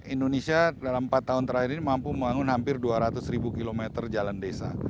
indonesia dalam empat tahun terakhir ini mampu membangun hampir dua ratus ribu kilometer jalan desa